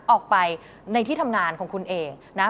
ออกไปในที่ทำงานของคุณเองนะ